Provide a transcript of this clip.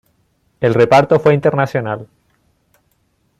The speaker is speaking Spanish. El reparto fue internacional.